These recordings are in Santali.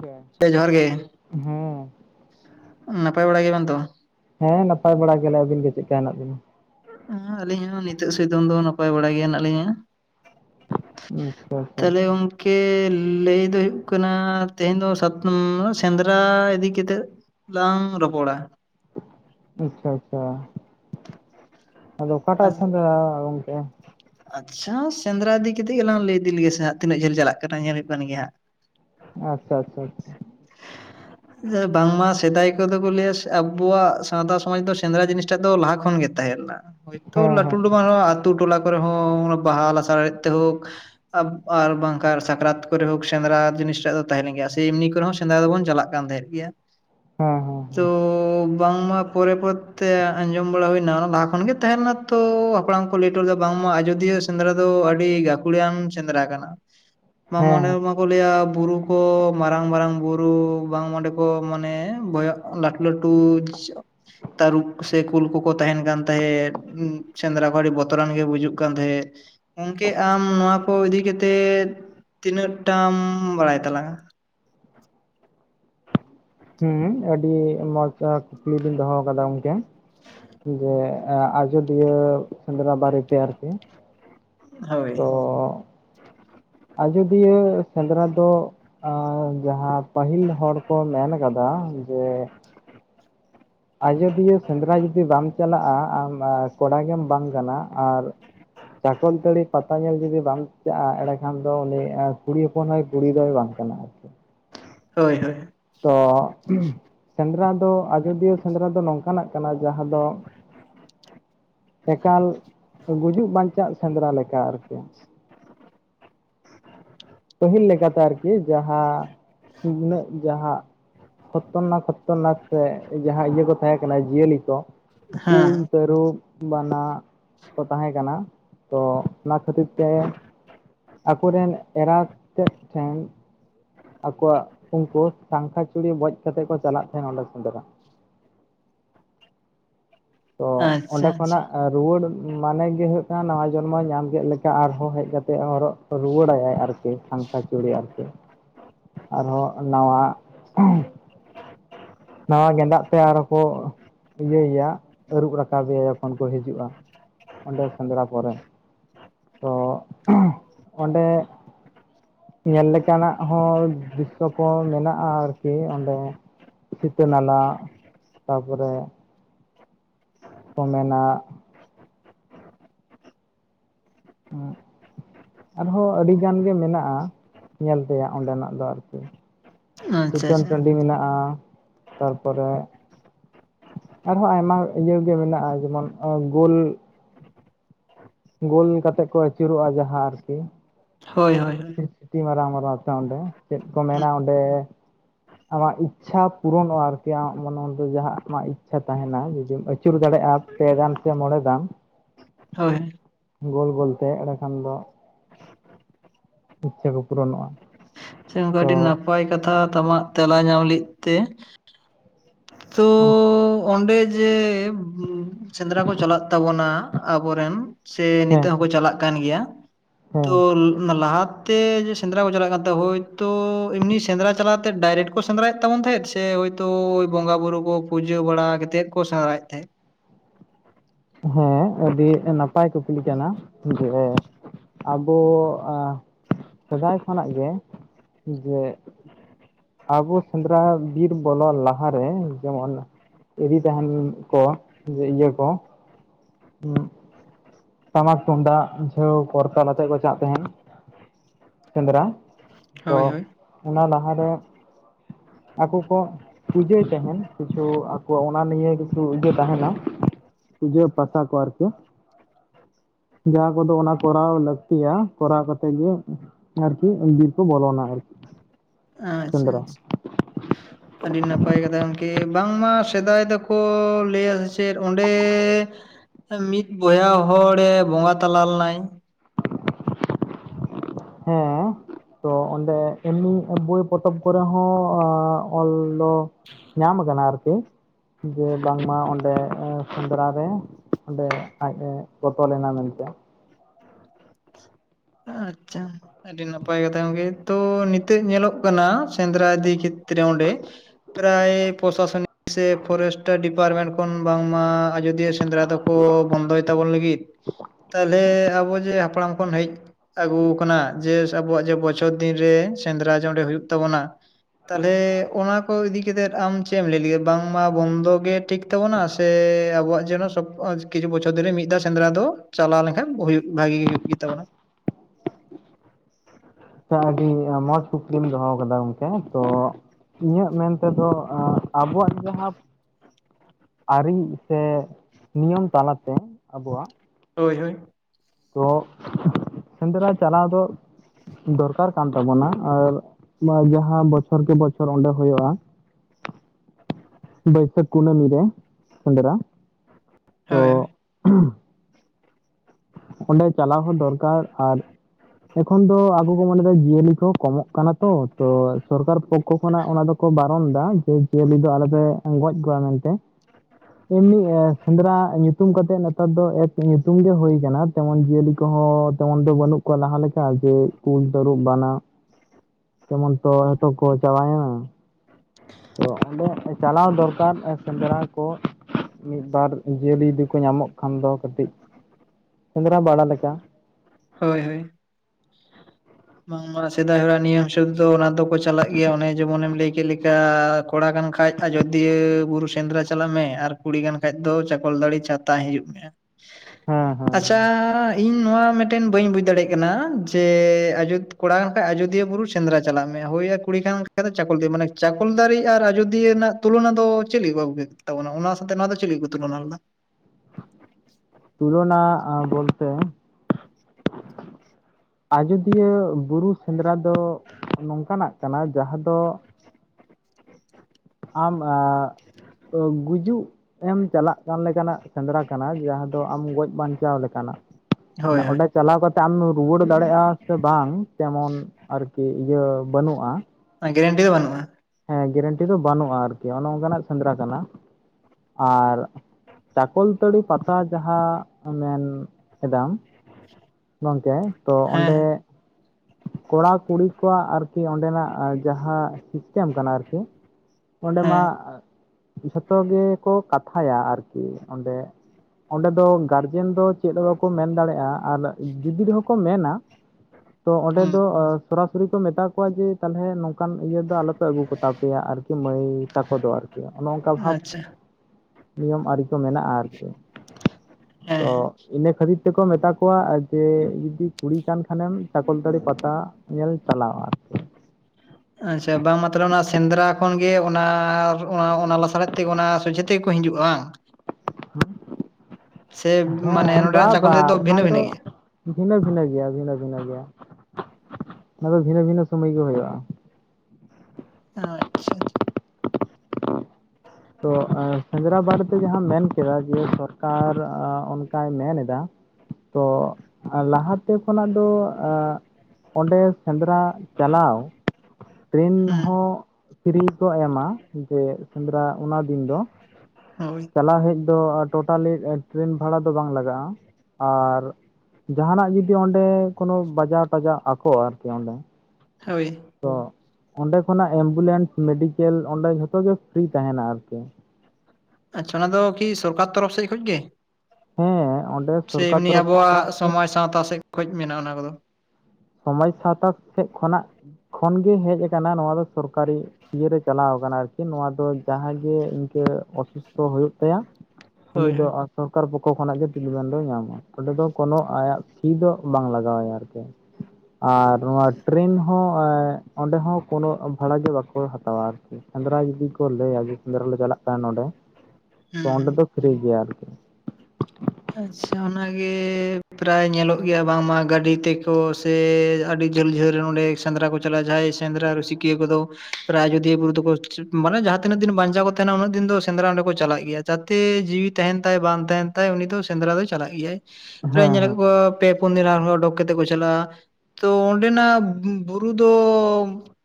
ᱟᱪᱪᱷᱟ, ᱡᱚᱦᱟᱨ ᱜᱮ ᱦᱮᱸ ᱱᱟᱯᱟᱭ ᱵᱟᱲᱟ ᱜᱮᱭᱟ ᱵᱮᱱ ᱛᱚ ᱦᱮᱸ ᱱᱟᱯᱟᱭ ᱵᱟᱲᱟ ᱜᱮᱞᱮ ᱟᱹᱵᱤᱱ ᱜᱮ ᱪᱮᱫᱠᱟ ᱦᱮᱱᱟᱜ ᱵᱤᱱᱟ ᱟᱹᱞᱤᱧ ᱦᱚᱸ ᱱᱤᱛᱚᱜ ᱥᱳᱭᱫᱳᱢ ᱫᱚ ᱱᱟᱯᱟᱭ ᱵᱟᱲᱟ ᱜᱮ ᱦᱮᱱᱟᱜ ᱞᱤᱧᱟ ᱟᱪᱪᱷᱟ ᱟᱪᱪᱷᱟ ᱛᱟᱞᱮ [inaudible] ᱠᱮ ᱞᱟᱹᱭ ᱫᱚ ᱦᱩᱭᱩᱜ ᱠᱟᱱᱟ ᱛᱮᱦᱮᱧ ᱫᱚ ᱥᱟᱛ [inaudible] ᱥᱮᱸᱫᱽᱨᱟ ᱤᱫᱤ ᱠᱟᱛᱮᱫ ᱞᱟᱝ ᱨᱚᱯᱚᱲᱟ ᱟᱪᱪᱷᱟ ᱟᱪᱪᱷᱟ ᱟᱫᱚ ᱚᱠᱟᱴᱟᱜ ᱥᱮᱸᱫᱽᱨᱟ ᱜᱚᱝᱠᱮ ᱟᱪᱪᱷᱟ ᱥᱮᱸᱫᱽᱨᱟ ᱤᱫᱤ ᱠᱟ ᱠᱟᱛᱮᱫ ᱜᱮ ᱞᱟᱝ ᱞᱟᱹᱭ ᱤᱫᱤ ᱞᱮᱜᱮ ᱥᱮ ᱦᱟᱸᱜ ᱛᱤᱱᱟᱹᱜ ᱡᱟᱹᱞ ᱪᱟᱞᱟᱜ ᱠᱟᱱᱟ ᱧᱮᱞ ᱦᱳᱭᱳᱜ ᱠᱟᱱ ᱜᱮᱭᱟ ᱦᱟᱸᱜ ᱟᱪᱪᱷᱟ ᱟᱪᱪᱷᱟ ᱟᱪᱪᱷᱟ ᱵᱟᱝᱢᱟ ᱥᱮᱫᱟᱭ ᱠᱚᱫᱚ ᱠᱚ ᱞᱟᱹᱭᱟ ᱟᱵᱚᱣᱟᱜ ᱥᱟᱶᱛᱟ ᱥᱚᱢᱟᱡᱽ ᱫᱚ ᱥᱮᱸᱫᱽᱨᱟ ᱡᱤᱱᱤᱥ ᱪᱮᱫ ᱫᱚ ᱞᱟᱦᱟ ᱠᱷᱚᱱ ᱜᱮ ᱛᱟᱦᱮᱸ ᱞᱮᱱᱟ ᱦᱳᱭᱛᱳ ᱦᱮᱸ ᱞᱟᱹᱴᱩ ᱦᱮᱸ ᱞᱟᱹᱴᱩ ᱵᱟᱝ ᱨᱮᱦᱚ ᱟᱹᱛᱩ ᱴᱚᱞᱟ ᱠᱚᱨᱮ ᱦᱚᱸ ᱵᱟᱦᱟ ᱞᱟᱥᱟᱲᱦᱮᱫ ᱦᱳᱠ ᱟᱨ ᱵᱟᱝᱠᱷᱟᱱ ᱥᱟᱠᱨᱟᱛ ᱠᱚᱨᱮ ᱦᱳᱠ ᱥᱮᱸᱫᱽᱨᱟ ᱡᱤᱱᱤᱥ ᱴᱟᱜ ᱫᱚ ᱛᱟᱦᱮᱱᱸ ᱜᱮᱭᱟ ᱥᱮ ᱥᱮ ᱮᱢᱱᱤ ᱠᱚᱨᱮ ᱦᱚᱸ ᱥᱮᱫᱽᱨᱟ ᱫᱚᱵᱚᱱ ᱪᱟᱞᱟᱜ ᱠᱟᱱ ᱛᱟᱦᱮᱸᱫ ᱜᱮᱭᱟ᱾ ᱦᱮᱸ ᱦᱮᱸ ᱛᱳ ᱵᱟᱝᱢᱟ ᱯᱚᱨᱮ ᱯᱚᱨᱮ ᱛᱮ ᱟᱸᱡᱚᱢ ᱵᱟᱲᱟ ᱦᱩᱭᱱᱟ ᱚᱱᱟ ᱞᱟᱦᱟ ᱠᱷᱚᱱ ᱜᱮ ᱛᱟᱦᱮᱸ ᱞᱮᱱᱟ ᱛᱚ ᱦᱟᱯᱲᱟᱢ ᱠᱚ ᱞᱮ ᱦᱚᱴᱚ ᱞᱮᱫᱟ ᱵᱟᱝᱢᱟ ᱟᱡᱫᱤᱭᱟᱹ ᱥᱮᱸᱫᱽᱨᱟ ᱫᱚ ᱟᱹᱰᱤ ᱜᱟᱹᱠᱷᱩᱲᱤᱭᱟᱱ ᱥᱮᱸᱫᱽᱨᱟ ᱠᱟᱱᱟ᱾ ᱢᱟ ᱦᱮᱸ ᱢᱚᱱᱮ ᱦᱮᱸ ᱨᱮᱢᱟ ᱠᱚ ᱞᱟᱹᱭᱟ ᱵᱩᱨᱩ ᱠᱚ᱾ ᱢᱟᱨᱟᱝ ᱢᱟᱨᱟᱝ ᱵᱩᱨᱩ ᱵᱟᱝ ᱚᱸᱰᱮ ᱠᱚ ᱢᱟᱱᱮ ᱵᱚᱭᱚᱜ ᱞᱟᱹᱴᱩ ᱞᱟᱹᱴᱩ ᱛᱟᱹᱨᱩᱵ ᱥᱮ ᱠᱩᱞ ᱠᱚᱠᱚ ᱛᱟᱸᱦᱮᱱ ᱠᱟᱱ ᱛᱟᱦᱮᱸᱫ ᱦᱩ ᱥᱮᱸᱫᱽᱨᱟ ᱠᱚ ᱟᱹᱰᱤ ᱵᱚᱛᱚᱨᱟᱱ ᱜᱮ ᱵᱩᱡᱩᱜ ᱠᱟᱱ ᱛᱟᱦᱮᱸᱫ᱾ ᱜᱚᱢᱠᱮ ᱟᱢ ᱱᱚᱣᱟ ᱠᱚ ᱤᱫᱤᱠᱟᱛᱮᱜ ᱛᱤᱱᱟᱹᱜ ᱴᱟᱻᱢ ᱵᱟᱲᱟᱭ ᱛᱟᱞᱟᱝ ᱟ᱾ ᱦᱮᱸ ᱟᱹᱰᱤ ᱢᱚᱸᱡᱽ ᱠᱩᱠᱞᱤ ᱵᱤᱱ ᱫᱚᱦᱚ ᱟᱠᱟᱫᱟ ᱜᱚᱢᱠᱮ᱾ ᱡᱮ ᱟᱡᱚᱫᱤᱭᱟᱹ ᱥᱮᱸᱫᱽᱨᱟ ᱵᱟᱨᱮ ᱛᱮ ᱟᱨᱠᱤ ᱦᱳᱭ᱾ ᱟᱡᱳᱫᱤᱭᱟᱹ ᱥᱮᱸᱫᱽᱨᱟ ᱫᱚ ᱡᱟᱦᱟᱸ ᱯᱟᱹᱦᱤᱞ ᱦᱚᱲ ᱠᱚ ᱢᱮᱱ ᱟᱠᱟᱫᱟ ᱡᱮ [inaudible] ᱟᱡᱳᱫᱤᱭᱟᱹ ᱥᱮᱸᱫᱽᱨᱟ ᱡᱩᱫᱤ ᱵᱟᱢ ᱪᱟᱞᱟᱜᱼᱟ ᱟᱢ ᱠᱚᱲᱟ ᱜᱮᱢ ᱵᱟᱝ ᱠᱟᱱᱟ ᱟᱨ ᱪᱟᱠᱚᱞ ᱛᱟᱹᱲᱤ ᱯᱟᱛᱟ ᱧᱮᱞ ᱡᱩᱫᱤ ᱵᱟᱝ ᱪᱟᱜ-ᱟ ᱮᱸᱰᱮ ᱠᱷᱟᱱ ᱫᱚ ᱩᱱᱤ ᱠᱩᱲᱤ ᱦᱚᱯᱚᱱ ᱦᱚ ᱠᱩᱲᱤ ᱫᱚᱭ ᱵᱟᱝ ᱠᱟᱱᱟ ᱟᱨᱠᱤ ᱦᱳᱭ ᱦᱳᱭ᱾ ᱛᱚ ᱥᱮᱸᱫᱽᱨᱟ ᱫᱚ ᱟᱡᱚᱫᱤᱭᱟᱹ ᱥᱮᱸᱫᱽᱨᱟ ᱫᱚ ᱱᱚᱝᱠᱟ ᱱᱟᱜ ᱠᱟᱱᱟ ᱡᱟᱦᱟᱸ ᱫᱚ ᱮᱠᱟᱞ ᱜᱩᱡᱩᱜ ᱵᱟᱧᱪᱟᱜ ᱥᱮᱸᱫᱽᱨᱟ ᱞᱮᱠᱟ ᱟᱨᱠᱤ᱾ ᱯᱟᱹᱦᱤᱞ ᱞᱮᱠᱟᱛᱮ ᱟᱨᱠᱤ ᱡᱟᱸᱦᱟ ᱛᱤᱱᱟᱹᱜ ᱡᱟᱸᱦᱟ ᱠᱷᱚᱛᱛᱚᱨᱱᱟ ᱠᱷᱚᱛᱛᱚᱨᱱᱟ ᱛᱮ ᱡᱟᱸᱦᱟ ᱤᱭᱟᱹ ᱠᱚ ᱛᱟᱸᱦᱮ ᱠᱟᱱᱟ ᱡᱤᱭᱟᱹᱞᱤ ᱠᱚ᱾ ᱦᱮᱸ ᱠᱩᱧ ᱛᱟᱹᱨᱩᱵ ᱵᱟᱱᱟ ᱠᱚ ᱛᱟᱸᱦᱮ ᱠᱟᱱᱟ᱾ ᱛᱚ ᱚᱱᱟ ᱠᱷᱟᱹᱛᱤᱨ ᱛᱮ, ᱟᱠᱚᱨᱮᱱ ᱮᱨᱟ ᱛᱮᱫ ᱴᱷᱮᱱ᱾ ᱟᱠᱚᱣᱟᱜ ᱩᱝᱠᱩ ᱥᱟᱝᱠᱷᱟ ᱪᱩᱲᱤ ᱵᱚᱡ ᱠᱟᱛᱮᱜ ᱠᱚ ᱪᱟᱞᱟᱜ ᱛᱟᱸᱦᱮᱱ ᱚᱸᱰᱮ ᱥᱮᱸᱫᱽᱨᱟ᱾ ᱛᱚ ᱟᱪᱪᱷᱟ ᱚᱸᱰᱮ ᱟᱪᱪᱷᱟ ᱠᱷᱚᱱᱟᱜ ᱨᱩᱣᱟᱹᱲ ᱢᱟᱱᱮ ᱜᱮ ᱦᱩᱭᱩᱜ ᱠᱟᱱᱟ ᱱᱟᱣᱟ ᱡᱚᱱᱢᱚᱭ ᱧᱟᱢ ᱠᱮᱜ ᱞᱮᱠ ᱥᱮ ᱟᱨᱦᱚᱸ ᱦᱮᱡ ᱠᱟᱛᱮᱜ ᱦᱚᱨᱚᱜ ᱨᱩᱣᱟᱹᱲᱟᱭ ᱟᱡ ᱟᱨᱠᱤ ᱥᱟᱝᱠᱷᱟ ᱪᱩᱲᱤ ᱟᱨᱠᱤ ᱟᱨᱦᱚᱸ ᱱᱟᱣᱟ ᱱᱟᱣᱟ ᱜᱮᱸᱫᱟᱜ ᱛᱮ ᱟᱨᱦᱚ ᱠᱚ ᱤᱭᱟᱹᱭᱮᱭᱟ ᱠᱩ ᱨᱟᱠᱟᱵᱮᱭᱟ ᱡᱚᱠᱷᱚᱱ ᱠᱚ ᱦᱤᱡᱩᱜᱼᱟ ᱚᱸᱰᱮ ᱥᱮᱸᱫᱽᱨᱟ ᱯᱚᱨᱮ ᱛᱚ ᱚᱸᱰᱮ ᱧᱮᱞ ᱞᱮ ᱠᱟᱱᱟᱜ ᱦᱚᱸ ᱫᱤᱥᱥᱚ ᱠᱚ ᱢᱮᱱᱟᱜᱼᱟ ᱟᱨᱠᱤ ᱚᱸᱰᱮ᱾ ᱥᱤᱛᱟᱹ ᱱᱟᱞᱟ ᱛᱟᱯᱚᱨᱮ ᱠᱚ ᱢᱮᱱᱟᱜ ᱟᱸ ᱟᱨᱦᱚᱸ ᱟᱹᱰᱤ ᱜᱟᱱ ᱜᱮ ᱢᱮᱱᱟᱜᱼᱟ ᱧᱮᱞ ᱛᱮᱭᱟᱜ ᱚᱸᱰᱮᱱᱟᱜ ᱫᱚ ᱟᱨᱠᱤ ᱟᱪᱪᱷᱟ ᱥᱩᱛᱟᱹᱱ ᱟᱪᱪᱷᱟ ᱴᱟᱺᱰᱤ ᱢᱮᱱᱟᱜᱼᱟ, ᱛᱟᱨᱯᱚᱨᱮ ᱟᱨᱦᱚᱸ ᱟᱭᱢᱟ ᱤᱭᱟᱹᱜᱮ ᱢᱮᱱᱟᱜᱼᱟ, ᱡᱮᱢᱚᱱ ᱜᱳᱞ ᱜᱳᱞ ᱠᱟᱛᱮᱜ ᱠᱚ ᱟᱹᱪᱩᱨᱚᱜᱼᱟ ᱡᱟᱸᱦᱟ ᱟᱨᱠᱤ ᱦᱳᱭ ᱦᱳᱭ ᱥᱤᱴᱤ ᱢᱟᱨᱟᱣ ᱢᱟᱨᱟᱣ ᱛᱮ ᱚᱸᱰᱮ ᱪᱮᱫ ᱠᱚ ᱦᱳᱭ ᱢᱮᱱᱟᱜ-ᱟ ᱚᱸᱰᱮ ᱟᱢᱟᱜ ᱤᱪᱪᱷᱟ ᱯᱩᱨᱚᱱᱚᱜᱼᱟ ᱟᱨᱠᱤ ᱟᱢᱟᱜ ᱢᱚᱱ ᱚᱱᱛᱚᱨ ᱨᱮ ᱡᱟᱸᱦᱟ ᱟᱢᱟᱜ ᱤᱪᱪᱷᱟ ᱛᱟᱸᱦᱮᱱᱟ ᱡᱩᱫᱤᱢ ᱟᱹᱪᱩᱨ ᱫᱟᱲᱮᱜᱼᱟ᱾ ᱯᱮ ᱜᱟᱱ ᱥᱮ ᱢᱚᱸᱬᱮ ᱫᱟᱢ [inaudible] ᱜᱳᱞ ᱜᱳᱞᱛᱮ ᱮᱲᱮᱠᱷᱟᱱ ᱫᱚ᱾ ᱤᱪᱪᱷᱟᱹ ᱠᱚ ᱯᱩᱨᱚᱱᱚᱜᱼᱟ᱾ ᱛᱮᱸᱦᱮᱧ ᱛᱚ ᱟᱹᱰᱤ ᱱᱟᱯᱟᱭ ᱠᱟᱛᱷᱟ ᱟᱢᱟᱜ ᱛᱮᱞᱟ ᱧᱟᱢ ᱞᱟᱹᱜᱤᱫ ᱛᱮ, ᱛᱩ ᱟᱪᱪᱷᱟ, ᱚᱸᱻᱰᱮ ᱡᱮ ᱦᱩᱸ ᱥᱮᱸᱫᱽᱨᱟ ᱠᱚ ᱪᱟᱞᱟᱜ ᱛᱟᱵᱚᱱᱟ ᱟᱵᱚᱨᱮᱱ ᱥᱮ ᱱᱤᱛᱚᱜ ᱦᱮᱸ ᱦᱚᱸᱠᱚ ᱪᱟᱞᱟᱜ ᱠᱟᱱ ᱜᱮᱭᱟ ᱛᱚ ᱦᱮᱸ ᱞᱟᱦᱟᱛᱮ ᱥᱮᱸᱫᱽᱨᱟ ᱠᱚ ᱪᱟᱞᱟᱜ ᱠᱟᱱ ᱛᱟᱸᱦᱮᱜ ᱦᱳᱭᱛᱳ ᱮᱢᱱᱤ ᱥᱮᱸᱫᱽᱨᱟ ᱪᱟᱞᱟᱣ ᱛᱮ ᱰᱟᱭᱨᱮᱴ ᱠᱚ ᱥᱮᱸᱫᱽᱨᱟᱭᱮᱫ ᱛᱟᱵᱚᱱ ᱛᱟᱦᱮᱸᱫ ᱥᱮ ᱦᱳᱭᱛᱳ ᱵᱚᱸᱜᱟ ᱵᱩᱨᱩ ᱠᱚ ᱯᱩᱡᱟᱹ ᱵᱟᱲᱟ ᱠᱟᱛᱮᱫ ᱠᱚ ᱥᱮᱸᱫᱽᱨᱟᱭᱮᱫ ᱛᱟᱸᱦᱮᱫ᱾ ᱦᱮᱸ ᱟᱹᱰᱤ ᱱᱟᱯᱟᱭ ᱠᱩᱠᱞᱤ ᱠᱟᱱᱟ ᱡᱮ ᱟᱵᱚ ᱥᱮᱫᱟᱭ ᱠᱷᱚᱱᱟᱜ ᱜᱮ ᱡᱮ, ᱟᱵᱚ ᱥᱮᱸᱫᱽᱨᱟ ᱵᱤᱨ ᱵᱚᱞᱚ ᱞᱟᱦᱟᱨᱮ ᱡᱮᱢᱚᱱ, ᱤᱫᱤ ᱛᱟᱸᱦᱮᱱ ᱠᱚ ᱡᱮ ᱤᱭᱟᱹ ᱠᱚ᱾ [unintelligible] ᱴᱟᱢᱟᱠ ᱛᱩᱢᱫᱟᱜ ᱡᱷᱟᱹᱣ ᱠᱚᱨᱛᱟᱞ ᱟᱛᱮ ᱠᱚ ᱪᱟᱜ ᱛᱟᱸᱦᱮᱱ ᱥᱮᱸᱫᱽᱨᱟ᱾ ᱛᱚ ᱦᱳᱭ ᱦᱳᱭ ᱚᱱᱟ ᱞᱟᱦᱟᱨᱮ ᱟᱠᱚ ᱠᱚ ᱯᱩᱡᱟᱹᱭ ᱛᱟᱸᱦᱮᱱ ᱠᱤᱪᱷᱩ ᱟᱠᱚᱣᱟᱜ ᱚᱱᱟ ᱱᱤᱭᱮ ᱠᱤᱪᱷᱩ ᱤᱭᱟ. ᱛᱟᱸᱦᱮᱱᱟ᱾ ᱯᱩᱡᱟ. ᱯᱟᱥᱟ ᱠᱚ ᱟᱨᱠᱤ ᱡᱟᱸᱦᱟ ᱠᱚᱫᱚ ᱚᱱᱟ ᱠᱚᱨᱟᱣ ᱞᱟᱹᱠᱛᱤᱭᱟ ᱠᱚᱨᱟᱣ ᱠᱟᱛᱮ ᱜᱮ ᱟᱨᱠᱤ ᱵᱤᱨ ᱠᱚ ᱵᱚᱞᱚᱱᱟ ᱟᱨᱠᱤ ᱟᱪᱪᱷᱟ ᱥᱮᱸᱫᱽᱨᱟ ᱟᱪᱪᱷᱟ ᱟᱹᱰᱤ ᱱᱟᱯᱟᱭ ᱠᱟᱛᱷᱟ ᱜᱚᱢᱠᱮ ᱵᱟᱝᱢᱟ ᱥᱮᱫᱟᱭ ᱫᱚᱠᱚ ᱞᱟᱹᱭᱟ ᱥᱮ ᱪᱮᱫ ᱚᱸᱰᱮ, ᱢᱤᱫ ᱵᱚᱭᱦᱟ ᱦᱚᱲᱮ ᱵᱚᱸᱜᱟ ᱛᱟᱞᱟ ᱞᱮᱱᱟᱭ᱾ [inaudible] ᱦᱮᱸ ᱛᱚ ᱚᱸᱰᱮ ᱮᱢᱱᱤ ᱵᱳᱭ ᱯᱚᱛᱚᱵ ᱠᱚᱨᱮ ᱦᱚᱸ ᱟᱸ ᱚᱞ ᱫᱚ ᱧᱟᱢ ᱟᱠᱟᱱᱟ ᱟᱨᱠᱤ ᱡᱮ ᱵᱟᱝ ᱢᱟ ᱚᱸᱰᱮ ᱥᱮᱸᱫᱽᱨᱟ ᱨᱮ ᱚᱸᱰᱮ ᱟᱡᱼᱮ ᱜᱚᱛᱚ ᱞᱮᱱᱟ ᱢᱮᱱᱛᱮ ᱟᱪᱷᱟ ᱟᱹᱰᱤ ᱱᱟᱯᱟᱭ ᱠᱟᱛᱷᱟ ᱜᱮ ᱛᱚ ᱱᱤᱛᱳᱜ ᱧᱮᱞᱚᱜ ᱠᱟᱱᱟ ᱥᱮᱫᱽᱨᱟ ᱮᱫᱤ ᱠᱷᱮᱛᱨᱮ ᱚᱸᱰᱮ ᱯᱨᱟᱭ ᱯᱨᱚᱥᱟᱥᱚᱱᱤᱠ ᱥᱮ ᱯᱷᱚᱨᱮᱥᱴᱟᱨ ᱰᱤ ᱯᱟᱨᱢᱮᱱᱴ ᱠᱷᱚᱱ ᱵᱟᱝᱢᱟ ᱟᱡ ᱟᱡᱚᱫᱤᱭᱟᱹ ᱥᱮᱸᱫᱽᱨᱟ ᱫᱚᱠᱚ ᱵᱚᱱᱫᱚᱭ ᱛᱟᱵᱚᱱ ᱞᱟᱹᱜᱤᱫ ᱛᱟᱦᱚᱞᱮ ᱟᱵᱚ ᱡᱮ ᱦᱟᱯᱲᱟᱢ ᱠᱷᱚᱱ ᱦᱮᱡ ᱟᱹᱜᱩ ᱠᱟᱱᱟ ᱡᱮ ᱟᱵᱚᱣᱟᱜ ᱡᱮ ᱵᱚᱪᱷᱚᱨ ᱫᱤᱱᱨᱮ ᱥᱮᱸᱫᱽᱨᱟ ᱡᱮ ᱚᱸᱰᱮ ᱦᱩᱭᱩᱜ ᱛᱟᱵᱚᱱᱟ ᱛᱟᱦᱚᱞᱮ ᱚᱱᱟ ᱠᱚ ᱤᱫᱤ ᱠᱟᱛᱮᱫ ᱟᱢ ᱪᱮᱫ ᱮᱢ ᱞᱟᱹᱭ ᱞᱟᱹᱜᱤᱫ, ᱵᱟᱝᱢᱟ ᱵᱚᱱᱫᱚ ᱜᱮ ᱴᱷᱤᱠ? ᱛᱟᱵᱚᱱᱟ ᱥᱮ ᱟᱵᱚᱣᱟᱜ ᱡᱮᱱᱚ [inaudible] ᱠᱤᱪᱷᱩ ᱵᱚᱪᱷᱚᱨ ᱫᱷᱚᱨᱮ ᱢᱤᱫ ᱫᱷᱟᱣ ᱥᱮᱸᱫᱽᱨᱟ ᱫᱚ ᱪᱟᱞᱟᱣ ᱞᱮᱱᱠᱷᱟᱱ ᱦᱩᱭᱩᱜ ᱵᱷᱟᱹᱜᱤ ᱜᱮ ᱦᱩᱭᱩᱜ ᱜᱮ ᱛᱟᱵᱚᱱᱟ᱾ [inaudible] ᱟᱪᱪᱷᱟ ᱟᱹᱰᱤ ᱢᱚᱸᱡᱽ ᱠᱩᱠᱞᱤᱢ ᱫᱚᱦᱚ ᱟᱠᱟᱫᱟ ᱜᱚᱝᱠᱮ ᱛᱚ ᱤᱧᱟᱹᱜ ᱢᱮᱱ ᱛᱮᱫᱚ ᱟᱵᱚᱣᱟᱜ ᱡᱟᱦᱟᱸ ᱟᱹᱨᱤ ᱥᱮ ᱱᱤᱭᱚᱢ ᱛᱟᱞᱟ ᱛᱮ ᱟᱵᱚᱣᱟᱜ ᱦᱳᱭ ᱦᱳᱭ ᱛᱚ ᱥᱮᱸᱫᱽᱨᱟ ᱪᱟᱞᱟᱣ ᱫᱚ ᱫᱚᱨᱠᱟᱨ ᱠᱟᱱ ᱛᱟᱵᱚᱱᱟ ᱟᱨ ᱡᱟᱦᱟᱸ ᱵᱚᱪᱷᱚᱨ ᱠᱮ ᱵᱚᱪᱷᱚᱨ ᱚᱸᱰᱮ ᱦᱩᱭᱩᱜᱼᱟ ᱵᱟᱹᱭᱥᱟᱹᱠ ᱠᱩᱱᱟᱹᱢᱤ ᱨᱮ ᱥᱮᱸᱫᱽᱨᱟ ᱛᱚ [inaudible] [inaudible] ᱚᱸᱰᱮ ᱪᱟᱞᱟᱣ ᱦᱚᱸ ᱫᱚᱨᱠᱟᱨ ᱟᱨ ᱮᱠᱷᱚᱱ ᱫᱚ ᱟᱜᱚ ᱠᱚ ᱢᱚᱱᱮ ᱫᱚ ᱡᱤᱭᱟᱹᱞᱤ ᱠᱚ ᱠᱚᱢᱚᱜ ᱠᱟᱱᱟ ᱛᱚ ᱛᱚ ᱥᱚᱨᱠᱟᱨ ᱯᱚᱠ ᱠᱚ ᱠᱷᱚᱱᱟᱜ ᱚᱱᱟ ᱫᱚᱠᱚ ᱵᱟᱨᱚᱱ ᱫᱟ ᱡᱮ ᱡᱤᱭᱟᱹᱞᱤ ᱫᱚ ᱟᱞᱮ ᱯᱮ ᱜᱚᱡ ᱠᱚᱣᱟ ᱢᱮᱱᱛᱮ ᱮᱢᱱᱤ ᱥᱮᱸᱫᱽᱨᱟ ᱧᱩᱛᱩᱢ ᱠᱟᱛᱮᱫ ᱱᱮᱛᱟᱨ ᱫᱚ ᱮᱠ ᱧᱩᱛᱩᱢ ᱜᱮ ᱦᱩᱭ ᱠᱟᱱᱟ ᱛᱮᱢᱚᱱ ᱡᱤᱭᱟᱹᱞᱤ ᱠᱚᱦᱚᱸ ᱛᱮᱢᱚᱱ ᱫᱚ ᱵᱟᱹᱱᱩᱜ ᱠᱚᱣᱟ ᱞᱟᱦᱟ ᱞᱮᱠᱟ ᱡᱮ ᱠᱩᱞ ᱛᱟᱹᱨᱩᱵ ᱵᱟᱱᱟ ᱛᱮᱢᱚᱱ ᱛᱚ ᱮᱛᱚ ᱠᱚ ᱪᱟᱵᱟᱭᱮᱱᱟ ᱛᱚ ᱚᱸᱰᱮ ᱪᱟᱞᱟᱣ ᱫᱚᱨᱠᱟᱨ ᱥᱮᱸᱫᱽᱨᱟ ᱠᱚ ᱢᱤᱫ ᱵᱟᱨ ᱡᱤᱭᱟᱹᱞᱤ ᱡᱚᱫᱤ ᱠᱚ ᱧᱟᱢᱚᱜ ᱠᱷᱟᱱ ᱫᱚ ᱠᱟᱹᱴᱤᱡ ᱥᱮᱸᱫᱽᱨᱟ ᱵᱟᱲᱟ ᱞᱮᱠᱟ ᱦᱳᱭ ᱦᱳᱭ ᱵᱟᱝ ᱢᱟ ᱥᱮᱫᱟᱭ ᱦᱚᱲᱟᱜ ᱱᱤᱭᱚᱢ ᱦᱤᱥᱟᱹᱵ ᱫᱚ ᱚᱱᱟ ᱫᱚᱠᱚ ᱪᱟᱞᱟᱜ ᱜᱮᱭᱟ ᱚᱱᱮ ᱡᱮᱢᱚᱱᱮᱢ ᱞᱟᱹᱭ ᱠᱮᱫ ᱞᱮᱠᱟ ᱠᱚᱲᱟ ᱠᱟᱱ ᱠᱷᱟᱡ ᱟᱡᱳᱫᱤᱭᱟᱹ ᱵᱩᱨᱩ ᱥᱮᱸᱫᱽᱨᱟ ᱪᱟᱞᱟᱜ ᱢᱮ ᱟᱨ ᱠᱩᱲᱤ ᱠᱟᱱ ᱠᱷᱟᱡ ᱫᱚ ᱪᱟᱠᱚᱞ ᱫᱟᱲᱤ ᱪᱷᱟᱛᱟ ᱦᱤᱡᱩᱜ ᱢᱮ ᱦᱮᱸ ᱦᱮᱸ ᱟᱪᱷᱟ ᱦᱮᱸ ᱤᱧ ᱱᱚᱶᱟ ᱢᱤᱫ ᱴᱮᱱ ᱵᱟᱹᱧ ᱵᱩᱡ ᱫᱟᱲᱮᱭᱟᱜ ᱠᱟᱱᱟ ᱡᱮ ᱟᱡᱚᱫ ᱠᱚᱲᱟ ᱠᱷᱟᱱ ᱟᱡᱚᱫᱤᱭᱟᱹ ᱵᱩᱨᱩ ᱥᱮᱸᱫᱽᱨᱟ ᱪᱟᱞᱟᱜ ᱢᱮ ᱦᱳᱭ ᱟᱨ ᱠᱩᱲᱤ ᱠᱟᱱ ᱠᱷᱟᱱ ᱚᱠᱟ ᱫᱚ ᱪᱟᱠᱚᱞ ᱫᱮ ᱢᱟᱱᱮ ᱪᱟᱠᱚᱞ ᱫᱟᱨᱮ ᱟᱨ ᱟᱡᱚᱫᱤᱭᱟᱹ ᱨᱮᱱᱟᱜ ᱛᱩᱞᱚᱱᱟ ᱫᱚ ᱪᱮᱫ ᱞᱟᱹᱜᱤᱫ ᱠᱚ ᱟᱹᱜᱩ ᱠᱮᱫ ᱛᱟᱵᱚᱱᱟ ᱚᱱᱟ ᱥᱟᱶᱛᱮ ᱱᱚᱶᱟ ᱫᱚ ᱪᱮᱫ ᱞᱟᱹᱜᱤᱫ? ᱛᱩᱞᱚᱱᱟ ᱞᱮᱫᱟ ᱛᱩᱞᱚᱱᱟ ᱵᱚᱞᱛᱮ [unintelligible] ᱟᱡᱚᱫᱤᱭᱟᱹ ᱵᱩᱨᱩ ᱥᱮᱸᱫᱽᱨᱟ ᱫᱚ ᱱᱚᱝᱠᱟᱱᱟᱜ ᱠᱟᱱᱟ ᱡᱟᱦᱟᱸ ᱫᱚ ᱟᱢ ᱟ ᱜᱩᱡᱩᱜ ᱮᱢ ᱪᱟᱞᱟᱜ ᱠᱟᱱ ᱞᱮᱠᱟᱱᱟᱜ ᱥᱮᱸᱫᱽᱨᱟ ᱠᱟᱱᱟ ᱡᱟᱦᱟᱸ ᱫᱚ ᱟᱢ ᱜᱚᱡ ᱵᱟᱧᱪᱟᱣ ᱞᱮᱠᱟᱱᱟᱜ ᱦᱳᱭ ᱢᱟᱱᱮ ᱦᱳᱭ ᱚᱸᱰᱮ ᱪᱟᱞᱟᱣ ᱠᱟᱛᱮ ᱟᱢ ᱨᱩᱣᱟᱹᱲ ᱫᱟᱲᱮᱭᱟᱜᱼᱟ ᱥᱮ ᱵᱟᱝ ᱛᱮᱢᱚᱱ ᱟᱨᱠᱤ ᱤᱭᱟᱹ ᱵᱟᱹᱱᱩᱜᱼᱟ ᱜᱮᱨᱮᱱᱴᱤ ᱫᱚ ᱵᱟᱹᱱᱩᱜᱼᱟ ᱦᱮᱸ ᱜᱮᱨᱮᱱᱴᱤ ᱫᱚ ᱵᱟᱹᱱᱩᱜᱼᱟ ᱟᱨᱠᱤ ᱚᱱᱮ ᱚᱱᱠᱟᱱᱟᱜ ᱥᱮᱸᱫᱽᱨᱟ ᱠᱟᱱᱟ ᱟᱨ ᱪᱟᱠᱚᱞᱛᱟᱹᱲᱤ ᱯᱟᱛᱟ ᱡᱟᱦᱟᱸ ᱢᱮᱱ ᱮᱫᱟᱢ ᱜᱚᱝᱠᱮ ᱛᱚ ᱚᱸᱰᱮ ᱦᱮᱸ ᱠᱚᱲᱟ ᱠᱩᱲᱤ ᱠᱚᱣᱟᱜ ᱟᱨᱠᱤ ᱚᱸᱰᱮᱱᱟᱜ ᱡᱟᱦᱟᱸ ᱥᱤᱥᱴᱮᱢ ᱠᱟᱱᱟ ᱟᱨᱠᱤ ᱦᱮᱸ ᱚᱸᱰᱮ ᱢᱟ ᱦᱮᱸ ᱡᱷᱚᱛᱚ ᱜᱮᱠᱚ ᱠᱟᱛᱷᱟᱭᱟ ᱟᱨᱠᱤ ᱚᱸᱰᱮ ᱚᱸᱰᱮ ᱫᱚ ᱜᱟᱨᱡᱮᱱ ᱫᱚ ᱪᱮᱫ ᱦᱚᱸ ᱵᱟᱠᱚ ᱢᱮᱱ ᱫᱟᱲᱮᱜᱼᱟ ᱟᱨ ᱡᱩᱫᱤ ᱨᱮᱦᱚᱸ ᱠᱚ ᱢᱮᱱᱟ ᱛᱚ ᱚᱸᱰᱮ ᱦᱩᱸ ᱫᱚ ᱥᱚᱨᱟ ᱥᱚᱨᱤ ᱠᱚ ᱢᱮᱛᱟ ᱠᱚᱣᱟ ᱡᱮ ᱛᱟᱞᱦᱮ ᱱᱚᱝ ᱚᱝᱠᱟᱱ ᱤᱭᱟᱹ ᱫᱚ ᱟᱞᱚᱯᱮ ᱟᱹᱜᱩ ᱠᱚᱛᱟ ᱯᱮᱭᱟ ᱟᱨᱠᱤ ᱢᱟᱹᱭ ᱛᱟᱠᱚ ᱫᱚ ᱟᱨᱠᱤ ᱚᱱᱚ ᱚᱱᱠᱟ ᱵᱷᱟᱵᱽ, ᱟᱪᱪᱷᱟ ᱱᱤᱭᱚᱢ ᱟᱹᱨᱤ ᱠᱚ ᱢᱮᱱᱟᱜᱼᱟ ᱟᱨᱠᱤ ᱦᱮᱸ ᱛᱚ ᱤᱱᱟᱹ ᱠᱷᱟᱹᱛᱤᱨ ᱛᱮᱠᱚ ᱢᱮᱛᱟ ᱠᱚᱣᱟ ᱡᱮ ᱡᱩᱫᱤ ᱠᱩᱲᱤ ᱠᱟᱱ ᱠᱷᱟᱱᱮᱢ ᱪᱷᱟᱠᱚᱞᱛᱟᱲᱤ ᱯᱟᱛᱟ ᱧᱮᱞ ᱪᱟᱞᱟᱣ ᱟᱨᱠᱤ ᱟᱪᱪᱷᱟ ᱵᱟᱝᱢᱟ ᱛᱟᱦᱚᱞᱮ ᱚᱱᱟ ᱥᱮᱸᱫᱽᱨᱟ ᱠᱷᱚᱱ ᱜᱮ ᱚᱱᱟ ᱚᱱᱟ ᱞᱟᱥᱟᱨᱮᱫ ᱛᱮᱜᱮ ᱚᱱᱟ ᱥᱚᱡᱷᱮᱛ ᱛᱮ ᱠᱚ ᱦᱤᱡᱩᱜᱼᱟ, ᱥᱮ ᱢᱟᱱᱮ ᱦᱮᱸ ᱱᱚᱰᱮᱱᱟᱜ ᱵᱟᱝ ᱪᱟᱠᱚᱞ ᱛᱮᱫ ᱵᱟᱝ ᱚᱱᱟ ᱵᱷᱤᱱᱟᱹ ᱫᱚ ᱵᱷᱤᱱᱟᱹ ᱜᱮᱭᱟ? ᱵᱷᱤᱱᱟᱹ ᱵᱷᱤᱱᱟᱹ ᱜᱮᱭᱟ ᱵᱷᱤᱱᱟᱹ ᱵᱷᱤᱱᱟᱹ ᱜᱮᱭᱟ ᱚᱱᱟ ᱫᱚ ᱵᱷᱤᱱᱟᱹ ᱵᱷᱤᱱᱟᱹ ᱥᱚᱢᱚᱭ ᱜᱮ ᱦᱩᱭᱩᱜᱼᱟ, ᱟᱪᱷᱟ ᱠᱤ ᱛᱚ ᱥᱮᱸᱫᱽᱨᱟ ᱵᱟᱨᱮᱛᱮ ᱡᱟᱦᱟᱢ ᱢᱮᱱ ᱠᱮᱫᱟ ᱡᱮ ᱥᱚᱨᱠᱟᱨ ᱚᱱᱠᱟᱭ ᱢᱮᱱ ᱮᱫᱟ, ᱛᱚ ᱞᱟᱦᱟᱛᱮ ᱠᱷᱚᱱᱟᱜ ᱫᱚ ᱮ ᱚᱸᱰᱮ ᱥᱮᱸᱫᱽᱨᱟ ᱪᱟᱞᱟᱣ ᱴᱨᱮᱱ ᱦᱩᱸ ᱦᱚᱸ ᱯᱷᱤᱨᱤ ᱠᱚ ᱮᱢᱟ ᱡᱮ ᱥᱮᱸᱫᱽᱨᱟ ᱚᱱᱟ ᱫᱤᱱ ᱫᱚ, ᱦᱳᱭ ᱪᱟᱞᱟᱣ ᱦᱮᱡ ᱫᱚ ᱴᱳᱴᱟᱞᱤ ᱴᱨᱮᱱ ᱵᱷᱟᱲᱟ ᱫᱚ ᱵᱟᱝ ᱞᱟᱜᱟᱜᱼᱟ, ᱟᱨ ᱡᱟᱦᱟᱱᱟᱜ ᱡᱩᱫᱤ ᱚᱸᱰᱮ ᱠᱳᱱᱳ ᱵᱟᱡᱟᱣ ᱴᱟᱡᱟᱣ ᱟᱠᱚ ᱟᱨᱠᱤ ᱚᱸᱰᱮ ᱦᱳᱭ, ᱛᱚ ᱚᱸᱰᱮ ᱠᱷᱚᱱᱟᱜ ᱮᱢᱵᱩᱞᱮᱱᱥ ᱢᱮᱰᱤᱠᱮᱞ ᱚᱸᱰᱮ ᱡᱷᱚᱛᱚ ᱜᱮ ᱯᱷᱨᱤ ᱛᱟᱦᱮᱱᱟ ᱟᱨᱠᱤ, ᱟᱪᱪᱷᱟ ᱚᱱᱟ ᱫᱚ ᱠᱤ ᱥᱚᱨᱠᱟᱨ ᱛᱚᱨᱚᱯᱷ ᱥᱮᱡ ᱠᱷᱚᱡᱽ ᱜᱮ, ᱦᱮᱸ ᱚᱸᱰᱮ ᱥᱮ ᱥᱚᱨᱠᱟᱨ ᱮᱢᱱᱤ ᱛᱚᱨᱚᱯᱷ ᱠᱷᱚᱱ ᱟᱵᱚᱣᱟᱜ ᱠᱷᱚᱱᱟᱜ-ᱜᱮ, ᱥᱚᱢᱟᱡᱽ ᱥᱟᱶᱛᱟ ᱥᱮᱪ ᱠᱷᱚᱡᱽ ᱢᱮᱱᱟᱜᱼᱟ ᱚᱱᱟ ᱠᱚᱫᱚ, ᱥᱚᱢᱟᱡᱽ ᱥᱟᱶᱛᱟ ᱥᱮᱫ ᱠᱷᱚᱱᱟᱜ ᱠᱷᱚᱱ ᱜᱮ ᱦᱮᱡ ᱟᱠᱟᱱᱟ ᱱᱚᱣᱟ ᱫᱚ ᱥᱚᱨᱠᱟᱨᱤ, ᱤᱭᱟᱹ ᱨᱮ ᱪᱟᱞᱟᱣ ᱠᱟᱱᱟ ᱟᱨᱠᱤ ᱱᱚᱶᱟ ᱫᱚ ᱡᱟᱦᱟᱸ ᱜᱮ ᱤᱱᱠᱟᱹ ᱚᱥᱩᱥᱛᱷᱚ ᱦᱩᱭᱩᱜ ᱛᱟᱭᱟ ᱩᱱᱤ ᱦᱳᱭ ᱫᱚ ᱦᱳᱭ ᱟ ᱥᱚᱨᱠᱟᱨ ᱯᱚᱠᱠᱷᱚ ᱠᱷᱚᱱᱟᱜ ᱜᱮ ᱴᱤᱴᱢᱮᱱᱴ ᱫᱚᱭ ᱧᱟᱢᱟ, ᱚᱸᱰᱮ ᱫᱚ ᱠᱳᱱᱳ ᱟᱭᱟᱜ ᱯᱷᱤ ᱫᱚ ᱵᱟᱝ ᱞᱟᱜᱟᱣᱟᱭᱟ ᱟᱨᱠᱤ, ᱟᱨ ᱱᱚᱣᱟ ᱴᱨᱮᱱ ᱦᱚᱸ ᱮ ᱚᱸᱰᱮ ᱦᱚᱸ ᱠᱳᱱᱳ ᱵᱷᱟᱲᱟ ᱜᱮ ᱵᱟᱠᱚ ᱦᱟᱛᱟᱣᱟ ᱟᱨᱠᱤ, ᱥᱮᱸᱫᱽᱨᱟ ᱡᱩᱫᱤ ᱠᱚ ᱞᱟᱹᱭᱟ ᱡᱮ ᱥᱮᱸᱫᱽᱨᱟ ᱞᱮ ᱪᱟᱞᱟᱜ ᱠᱟᱱ ᱱᱚᱸᱰᱮ ᱛᱚ ᱦᱩᱸ ᱦᱩᱸ ᱚᱸᱰᱮ ᱫᱚ ᱯᱷᱤᱨᱤ ᱜᱮᱭᱟ ᱟᱨᱠᱤ, ᱟᱪᱪᱷᱟ ᱚᱱᱟᱜᱮ ᱯᱨᱟᱭ ᱧᱮᱞᱚᱜ ᱜᱮᱭᱟ ᱵᱟᱝᱢᱟ ᱜᱟᱹᱰᱤ ᱛᱮᱠᱚ ᱥᱮ ᱟᱹᱰᱤ ᱡᱷᱟᱹᱞ ᱡᱷᱟᱹᱞ ᱨᱮᱱ ᱱᱚᱸᱰᱮ ᱥᱮᱸᱫᱽᱨᱟ ᱠᱚ ᱪᱟᱞᱟᱜᱼᱟ, ᱡᱟᱦᱟᱸᱭ ᱥᱮᱸᱫᱽᱨᱟ ᱨᱩᱥᱤᱠᱤᱭᱟᱹ ᱠᱚᱫᱚ ᱯᱨᱟᱭ ᱟᱡᱳᱫᱤᱭᱟᱹ ᱵᱩᱨᱩ ᱫᱚᱠᱚ ᱢᱟᱱᱮ ᱡᱟᱦᱟᱸ ᱛᱤᱱᱟᱹᱜ ᱫᱤᱱ ᱵᱟᱧᱪᱟᱣ ᱠᱚ ᱛᱟᱦᱮᱱᱟ ᱩᱱᱟᱹᱜ ᱫᱤᱱ ᱫᱚ ᱥᱮᱸᱫᱽᱨᱟ ᱚᱸᱰᱮ ᱠᱚ ᱪᱟᱞᱟᱜ ᱜᱮᱭᱟ, ᱡᱟᱛᱮ ᱡᱤᱣᱤ ᱛᱟᱦᱮᱱ ᱛᱟᱭ ᱵᱟᱝ ᱛᱟᱦᱮᱱ ᱛᱟᱭ ᱩᱱᱤ ᱫᱚ ᱥᱮᱸᱫᱽᱨᱟ ᱫᱚᱭ ᱪᱟᱞᱟᱜ ᱜᱮᱭᱟᱭ, ᱯᱮᱨᱟᱭ ᱦᱮᱸ ᱧᱮᱞᱮᱫ ᱦᱮᱸ ᱠᱚᱣᱟ, ᱯᱮ ᱯᱩᱱ ᱫᱤᱱ ᱟᱨ ᱦᱚᱸ ᱚᱰᱚᱠ ᱠᱮᱛᱮᱠᱚ ᱪᱟᱞᱟᱜ -ᱟ, ᱛᱚ ᱚᱸᱰᱮᱱᱟᱜ ᱵᱩᱨᱩ ᱫᱚ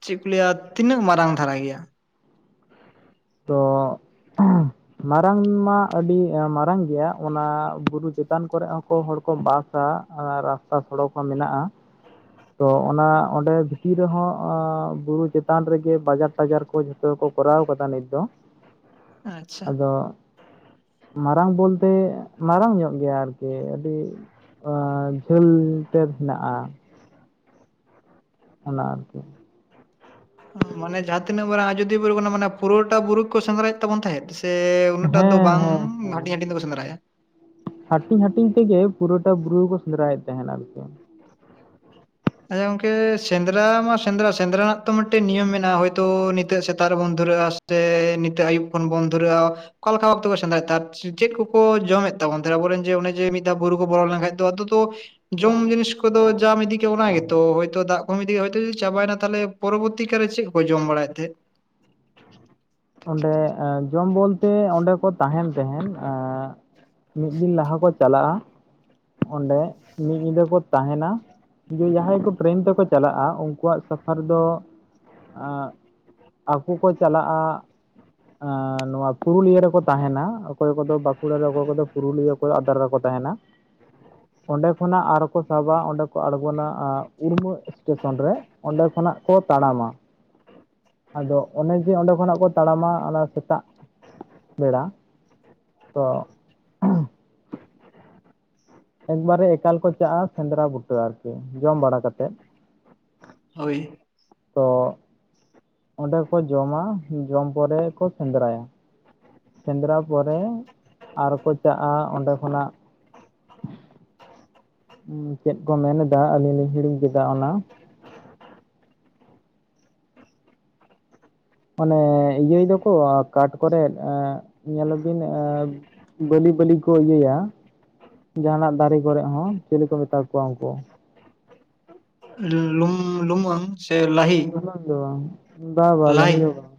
ᱪᱮᱫ ᱠᱚ ᱞᱟᱹᱭᱟ ᱛᱤᱱᱟᱹᱜ ᱢᱟᱨᱟᱝ ᱫᱷᱟᱨᱟ ᱜᱮᱭᱟ? ᱛᱚ [unintelligible] ᱢᱟᱨᱟᱝ ᱢᱟ ᱟᱹᱰᱤ ᱢᱟᱨᱟᱝ ᱜᱮᱭᱟ ᱚᱱᱟ ᱵᱩᱨᱩ ᱪᱮᱛᱟᱱ ᱠᱚᱨᱮ ᱦᱚᱸ ᱠᱚ ᱦᱚᱲ ᱠᱚ ᱵᱟᱥ ᱟ ᱟᱨ ᱨᱟᱥᱛᱟ ᱥᱚᱲᱚᱠ ᱦᱚᱸ ᱢᱮᱱᱟᱜᱼᱟ, ᱛᱚ ᱚᱱᱟ ᱚᱸᱰᱮ ᱵᱷᱤᱛᱤᱨ ᱨᱮᱦᱚᱸ ᱮᱸ ᱵᱩᱨᱩ ᱪᱮᱛᱟᱱ ᱨᱮᱜᱮ ᱵᱟᱡᱟᱨ ᱴᱟᱡᱟᱨ ᱠᱚ ᱡᱷᱚᱛ ᱠᱚ ᱠᱚᱨᱟᱣ ᱠᱟᱫᱟ ᱱᱤᱛ ᱫᱚ ᱟᱪᱪᱷᱟ ᱟᱫᱚ ᱢᱟᱨᱟᱝ ᱵᱚᱞᱛᱮ ᱢᱟᱨᱟᱝ ᱧᱚᱜ ᱜᱮᱭᱟ ᱟᱨᱠᱤ ᱟᱹᱰᱤ, ᱮᱸ ᱡᱷᱟᱹᱞ ᱛᱮ ᱦᱮᱱᱟᱜᱼᱟ, ᱚᱱᱟ ᱟᱨᱠᱤ, [inaudible] ᱢᱟᱱᱮ ᱡᱟᱦᱟᱸ ᱛᱤᱱᱟᱹᱜ ᱢᱟᱨᱟᱝ ᱟᱡᱚᱫᱤᱭᱟᱹ ᱵᱩᱨᱩ ᱠᱟᱱᱟ ᱢᱟᱱᱮ ᱯᱩᱨᱟᱹᱴᱟ ᱵᱩᱨᱩ ᱠᱚ ᱥᱮᱸᱫᱽᱨᱟᱭᱮᱫ ᱛᱟᱵᱚᱱ ᱛᱟᱦᱮᱸᱫ ᱥᱮ ᱩᱱᱟᱹᱜ ᱴᱟᱜ ᱫᱚ ᱦᱮᱸ ᱵᱟᱝ ᱦᱮᱸ ᱦᱮᱸ ᱦᱟᱹᱴᱤᱧ ᱦᱟᱹᱴᱤᱧ ᱛᱮᱠᱚ ᱥᱮᱸᱫᱽᱨᱟᱭᱟ ᱦᱟᱹᱴᱤᱧ ᱦᱟᱹᱴᱤᱧ ᱛᱮᱜᱮ ᱯᱩᱨᱟᱹᱴᱟ ᱵᱩᱨᱩ ᱦᱚᱸᱠᱚ ᱥᱮᱸᱫᱽᱨᱟ ᱭᱮᱫ ᱛᱟᱦᱮᱱ ᱟᱨᱠᱤ, ᱟᱪᱪᱷᱟ ᱜᱚᱝᱠᱮ ᱥᱮᱸᱫᱽᱨᱟ ᱢᱟ ᱥᱮᱸᱫᱽᱨᱟ ᱥᱮᱸᱫᱽᱨᱟ ᱨᱮᱱᱟᱜ ᱛᱚ ᱢᱤᱫᱴᱮᱱ ᱱᱤᱭᱚᱢ ᱢᱮᱱᱟᱜᱼᱟ, ᱦᱳᱭ ᱛᱚ ᱱᱤᱛᱚᱜ ᱥᱮᱛᱟᱜ ᱨᱮᱵᱚᱱ ᱫᱷᱩᱨᱟᱹᱜᱼᱟ, ᱥᱮ ᱱᱤᱛᱚᱜ ᱟᱹᱭᱩᱵ ᱠᱷᱚᱱ ᱵᱚᱱ ᱫᱷᱩᱨᱟᱹᱜᱼᱟ ᱚᱠᱟ ᱞᱮᱠᱟ ᱚᱠᱛᱚ ᱠᱚ ᱥᱮᱸᱫᱽᱨᱟ ᱛᱟᱸᱦᱮᱫ ᱪᱮᱫ ᱠᱚᱠᱚ ᱡᱚᱢᱮᱫ ᱛᱟᱵᱚᱱ ᱛᱟᱸᱦᱮᱫ ᱟᱵᱚᱨᱮᱱ ᱡᱮ ᱚᱱᱮ ᱡᱮ ᱢᱤᱫ ᱫᱷᱟ ᱵᱩᱨᱩ ᱠᱚ ᱵᱚᱞᱚ ᱞᱮᱱᱠᱷᱟᱱ ᱟᱫᱚ ᱛᱚ ᱡᱚᱢ ᱡᱤᱱᱤᱥ ᱠᱚᱫᱚ ᱡᱟᱢ ᱤᱫᱤ ᱚᱱᱟ ᱜᱮᱛᱚ ᱦᱚᱭᱛᱚ ᱫᱟᱜ ᱠᱚ ᱤᱫᱤ ᱦᱳᱭ ᱛᱚ ᱪᱟᱵᱟᱭ ᱱᱟ ᱛᱟᱦᱚᱞᱮ ᱯᱚᱨᱚᱵᱚᱨᱛᱤ ᱠᱟᱞᱨᱮ ᱪᱮᱫ ᱠᱚ ᱡᱚᱢ ᱵᱟᱲᱟᱭᱮ ᱛᱟᱦᱮᱸᱫ ᱚᱸᱰᱮ ᱡᱚᱢ ᱵᱚᱞᱛᱮ ᱚᱸᱰᱮ ᱠᱚ ᱛᱟᱸᱦᱮᱱ ᱛᱟᱦᱮ ᱢᱤᱫ ᱫᱤᱱ ᱞᱟᱦᱟ ᱠᱚ ᱪᱟᱞᱟᱜᱼᱟ ᱚᱸᱰᱮ ᱢᱤᱫ ᱧᱤᱫᱟᱹ ᱠᱚ ᱛᱟᱸᱦᱮᱱᱟ ᱡᱮ ᱡᱟᱦᱟᱸᱭ ᱠᱚ ᱴᱨᱮᱱ ᱛᱮᱠᱚ ᱪᱟᱞᱟᱜᱼᱟ ᱩᱱᱠᱩᱣᱟᱜ ᱥᱟᱯᱷᱟᱨ ᱫᱚ ᱟᱸᱜ ᱟᱠᱚ ᱠᱚ ᱪᱟᱞᱟᱜᱼᱟ ᱱᱚᱶᱟ ᱯᱩᱨᱩᱞᱤᱭᱟᱹ ᱨᱮᱠᱚ ᱛᱟᱸᱦᱮᱱᱟ ᱚᱠᱚᱭ ᱠᱚᱫᱚ ᱵᱟᱸᱠᱩᱲᱟ ᱨᱮ ᱚᱠᱚᱭ ᱠᱚᱫᱚ ᱯᱩᱨᱩᱞᱤᱭᱟᱹ ᱚᱠᱚᱭ ᱟᱫᱨᱟ ᱨᱮᱠᱚ ᱛᱟᱸᱦᱮᱱᱟ [inaudible] ᱚᱸᱰᱮ ᱠᱷᱚᱱᱟᱜ ᱟᱨᱚᱠᱚ ᱥᱟᱵᱟ ᱚᱸᱰᱮ ᱠᱚ ᱟᱬᱜᱚᱱᱟ‌ ᱟᱸᱜ ᱩᱲᱢᱟᱹ ᱮᱥᱴᱮᱥᱚᱱ ᱨᱮ ᱚᱸᱰᱮ ᱠᱷᱚᱱᱟᱜ ᱠᱚ ᱛᱟᱲᱟᱢᱟ ᱟᱫᱚ ᱚᱱᱮ ᱡᱮ ᱚᱸᱰᱮ ᱠᱷᱚᱱᱟᱜ ᱠᱚ ᱛᱟᱲᱟᱢᱟ ᱚᱱᱟ ᱥᱮᱛᱟᱜ ᱵᱮᱲᱟ ᱛᱚ ᱮᱠᱵᱟᱨᱮ ᱮᱠᱟᱞ ᱠᱚ ᱪᱟᱜᱼᱟ ᱥᱮᱸᱫᱽᱨᱟ ᱵᱩᱴᱟᱹ ᱟᱨᱠᱤ ᱡᱚᱢ ᱵᱟᱲᱟ ᱠᱟᱛᱮᱫ ᱦᱳᱭ ᱛᱚ ᱚᱸᱰᱮ ᱠᱚ ᱡᱚᱢᱟ ᱡᱚᱢ ᱯᱚᱨᱮ ᱠᱚ ᱥᱮᱸᱫᱽᱨᱟᱭᱟ ᱥᱮᱸᱫᱽᱨᱟ ᱯᱚᱨᱮ ᱟᱨᱠᱚ ᱪᱟᱜᱼᱟ ᱚᱸᱰᱮ ᱠᱷᱚᱱᱟᱜ ᱪᱮᱫ ᱠᱚ ᱢᱮᱱᱮᱫᱟ ᱟᱹᱞᱤᱧ ᱞᱤᱧ ᱦᱤᱲᱤᱧ ᱠᱮᱫᱟ ᱚᱱᱟ [inaudible] ᱢᱟᱱᱮ ᱤᱭᱟᱹᱭ ᱫᱟᱠᱚ ᱠᱟᱴ ᱠᱚᱨᱮ ᱧᱮᱞ ᱵᱤᱱ ᱵᱟᱹᱞᱤ ᱵᱟᱹᱞᱤ ᱠᱚ ᱤᱭᱟᱹᱭᱟ ᱡᱟᱦᱟᱱᱟᱜ ᱫᱟᱨᱮ ᱠᱚᱨᱮ ᱦᱚᱸ ᱪᱤᱞᱤ ᱠᱚ ᱢᱮᱛᱟ ᱠᱚᱣᱟ ᱩᱱᱠᱩ? ᱞᱩᱢᱟᱹᱝ ᱥᱮ ᱞᱟᱦᱤ ᱫᱚ ᱵᱟᱝ ᱵᱟ ᱵᱟ ᱞᱟᱹᱭ ᱞᱟᱹᱦᱤ ᱦᱚᱸ ᱵᱟᱝ